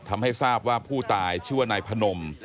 ทำให้ทราบว่าผู้ตายชื่อว่านายพนม